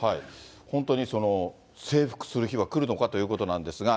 本当に征服する日は来るのかということなんですが。